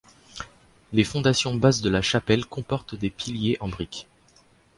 Les fondations basses de la chapelle comportent des piliers en brique.